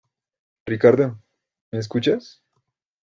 Ricardo, ¿ me escuchas?